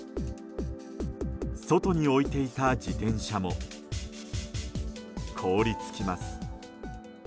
外に置いていた自転車も凍り付きます。